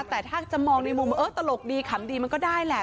แต่ถ้าจะมองในมุมว่าเออตลกดีขำดีมันก็ได้แหละ